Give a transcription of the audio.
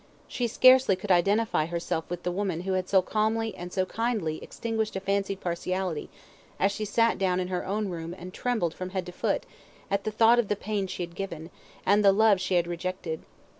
She scarcely could identify herself with the woman who had so calmly and so kindly extinguished a fancied partiality, as she sat down in her own room and trembled from head to foot at the thought of the pain she had given, and the love she had rejected.